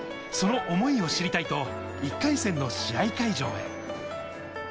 その想いを知りたいと１回戦の試合会場へ。